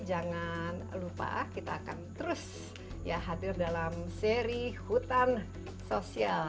jangan lupa kita akan terus ya hadir dalam seri hutan sosial